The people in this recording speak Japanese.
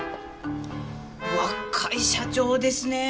若い社長ですねぇ。